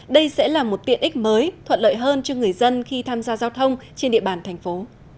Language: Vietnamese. đây sẽ là một tiện ích mới thuận lợi hơn cho người dân khi tham gia giao thông trên địa bàn thành phố